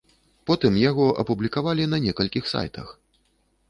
Потым яго апублікавалі на некалькіх сайтах.